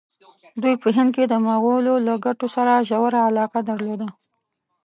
دوی په هند کې د مغولو له ګټو سره ژوره علاقه درلوده.